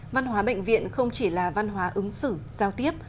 văn hóa bệnh viện không chỉ là văn hóa ứng xử giao tiếp